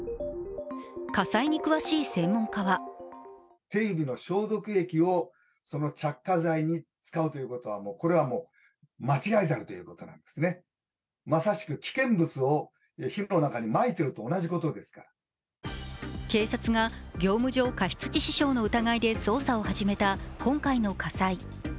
火災に詳しい専門家は警察が業務上過失致死傷の疑いで捜査を始めた今回の火災。